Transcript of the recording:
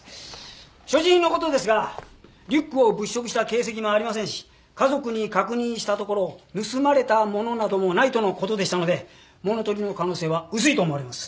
所持品の事ですがリュックを物色した形跡もありませんし家族に確認したところ盗まれたものなどもないとの事でしたので物取りの可能性は薄いと思われます。